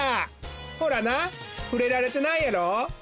ほらなふれられてないやろ？